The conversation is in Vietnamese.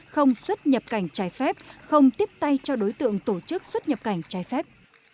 không xuất nhập cảnh trái phép không tiếp tay cho đối tượng tổ chức xuất nhập cảnh trái phép